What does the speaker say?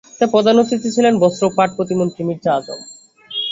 এতে প্রধান অতিথি ছিলেন বস্ত্র ও পাট প্রতিমন্ত্রী মির্জা আজম।